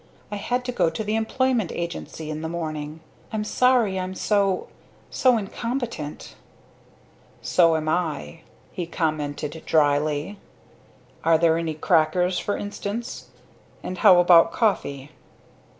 I had to go to the employment agency in the morning!.... I'm sorry I'm so so incompetent." "So am I," he commented drily. "Are there any crackers for instance? And how about coffee?"